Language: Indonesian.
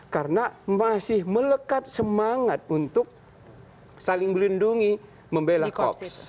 karena masih melekat semangat untuk saling melindungi membela kops